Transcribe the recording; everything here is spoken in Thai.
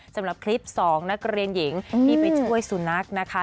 สำหรับคลิป๒นักเรียนหญิงที่ไปช่วยสุนัขนะคะ